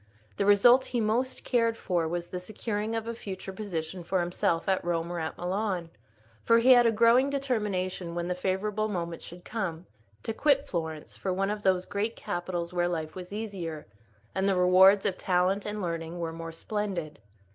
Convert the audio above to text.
The result he most cared for was the securing of a future position for himself at Rome or at Milan; for he had a growing determination, when the favourable moment should come, to quit Florence for one of those great capitals where life was easier, and the rewards of talent and learning were more splendid.